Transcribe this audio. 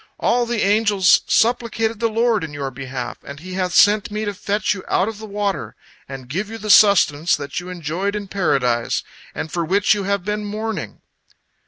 All the angels supplicated the Lord in your behalf, and He hath sent me to fetch you out of the water and give you the sustenance that you enjoyed in Paradise, and for which you have been mourning."